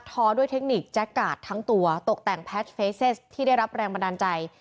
ท้อด้วยเทคนิคทั้งตัวตกแต่งที่ได้รับแรงบันดาลใจ